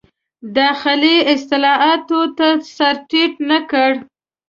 داخلي اصلاحاتو ته سر ټیټ نه کړ.